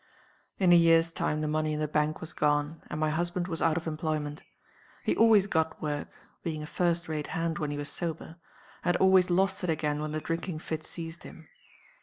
"In a year's time the money in the bank was gone; and my husband was out of employment. He always got work being a first rate hand when he was sober and always lost it again when the drinking fit seized him.